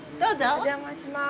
お邪魔します。